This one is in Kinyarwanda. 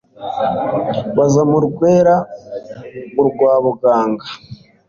Baza mu Rwera urwa Buganga